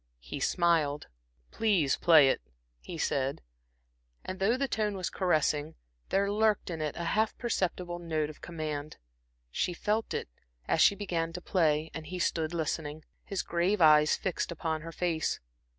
He smiled. "Please play it," he said, and though the tone was caressing, there lurked in it a half perceptible note of command. She felt it, as she began to play, and he stood listening, his grave eyes fixed upon her face.